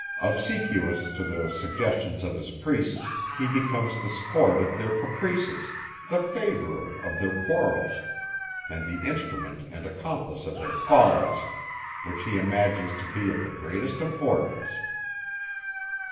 Obsequious to the suggestions of his priests, he becomes the sport of their caprices, the favourer of their quarrels, and the instrument and accomplice of their follies, which he imagines to be of the greatest importance.